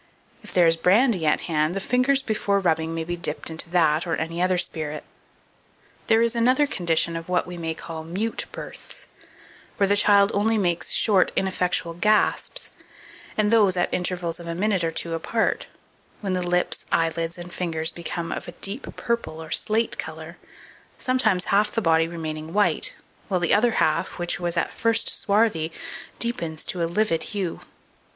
If there is brandy at hand, the fingers before rubbing may be dipped into that, or any other spirit. 2462. There is another condition of what we may call "mute births," where the child only makes short ineffectual gasps, and those at intervals of a minute or two apart, when the lips, eyelids, and fingers become of a deep purple or slate colour, sometimes half the body remaining white, while the other half, which was at first swarthy, deepens to a livid hue.